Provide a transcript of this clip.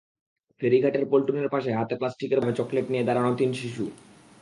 ফেরিঘাটে পন্টুনের পাশে হাতে প্লাস্টিকের বয়ামে চকলেট নিয়ে দাঁড়ানো তিন শিশু।